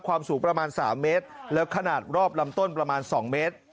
ความสูงประมาณ๓เมตรแล้วขนาดรอบลำต้นประมาณ๒เมตร